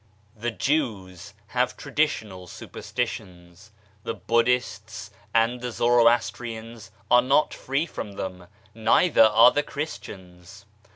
The Jews have traditional superstitions, the Buddhists and the Zoroastrians are not free from them, neither are the Christians